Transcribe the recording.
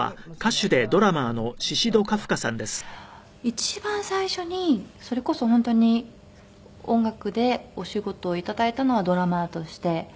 一番最初にそれこそ本当に音楽でお仕事をいただいたのはドラマーとして。